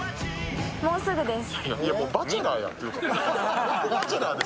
もうすぐです。